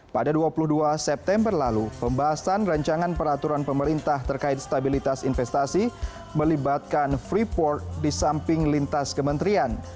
pada dua puluh dua september lalu pembahasan rancangan peraturan pemerintah terkait stabilitas investasi melibatkan freeport di samping lintas kementerian